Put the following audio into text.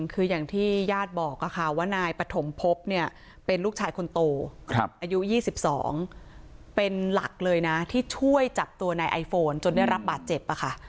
คืออย่างที่ญาติบอกว่านายปฐมพบเนี่ยเป็นลูกชายคนโตอายุ๒๒เป็นหลักเลยนะที่ช่วยจับตัวนายไอโฟนจนได้รับบาดเจ็บค่ะ